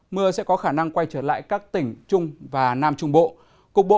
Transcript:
mưa sẽ có khả năng quay trở lại các tỉnh trung và nam trung bộ